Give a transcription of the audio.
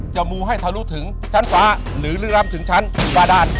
จะมูให้เธอรู้ถึงชั้นฟ้าหรือลืมลำถึงชั้นฟ้าด้าน